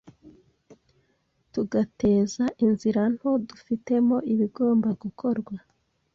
tugateza inzira nto dufitemo ibigomba gukorwa.